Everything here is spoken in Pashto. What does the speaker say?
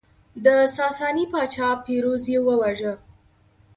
د ساساني پاچا پیروز یې وواژه